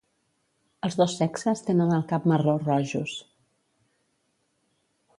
Els dos sexes tenen el cap marró rojos.